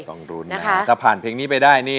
ต้องลุ้นถ้าผ่านเพลงนี้ไปได้